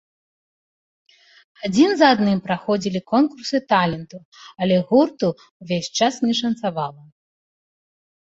Адзін за адным праходзілі конкурсы таленту, але гурту ўвесь час не шанцавала.